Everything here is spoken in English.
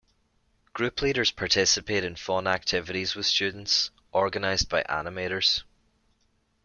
Group leaders participate in fun activities with students, organized by animators.